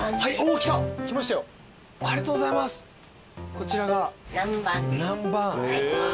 こちらが南蛮。